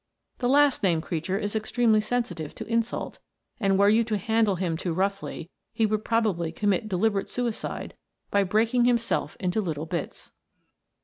: The last named creature is extremely sensitive to* insult, and were you to handle him too roughly, he would probably commit deliberate suicide by break ing himself into little bits.